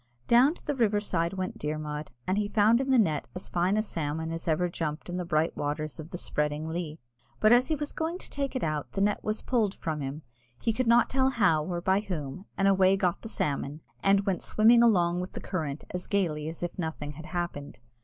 Down to the river side went Dermod, and he found in the net as fine a salmon as ever jumped in the bright waters of "the spreading Lee;" but as he was going to take it out, the net was pulled from him, he could not tell how or by whom, and away got the salmon, and went swimming along with the current as gaily as if nothing had happened.